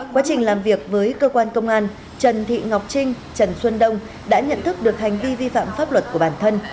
quá trình làm việc với cơ quan công an trần thị ngọc trinh trần xuân đông đã nhận thức được hành vi vi phạm pháp luật của bản thân